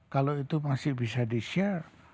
kalau itu masih bisa di share